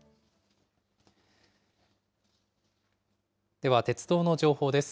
では鉄道の情報です。